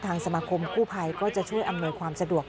สมาคมกู้ภัยก็จะช่วยอำนวยความสะดวก